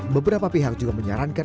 beberapa pihak juga menyarankan